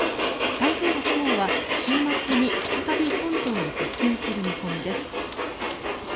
台風６号は週末に再び本島に接近する見込みです。